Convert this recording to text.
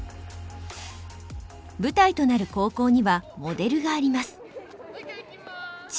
舞台となる高校にはモデルがあります。